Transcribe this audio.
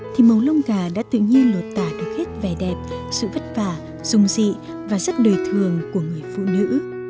thì màu lông gà đã tự nhiên lột tả được hết vẻ đẹp sự vất vả dung dị và rất đời thường của người phụ nữ